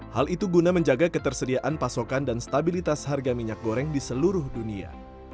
hal itu guna menjaga ketersediaan pasokan dan stabilitas harga minyak goreng di seluruh dunia